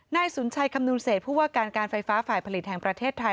นายสุนชัยคำนวณเศษผู้ว่าการการไฟฟ้าฝ่ายผลิตแห่งประเทศไทย